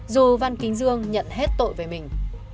dù văn kính dương nhận hết tội về mình